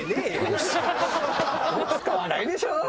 多分使わないでしょう。